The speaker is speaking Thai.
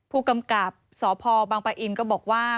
ผู้กำกับสพบังปะอินก็บอกว่า